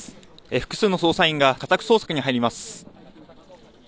複数の捜査員が家宅捜索に入ります。